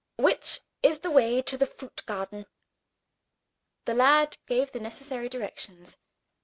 Which is the way to the fruit garden?" The lad gave the necessary directions.